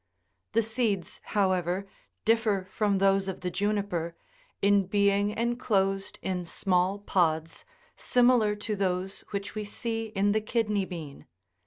The seeds, however, differ from those of the juniper, in being enclosed in small pods similar to those which we see in the kidney bean.